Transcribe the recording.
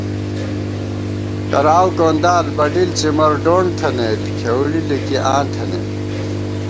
کراؤ کوندال بڈِل څِمر ڈوند تھنَئیت کھېؤڑی لِکی آں تھنَئیم